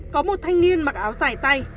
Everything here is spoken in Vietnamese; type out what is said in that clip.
có một thanh niên mặc áo dài tay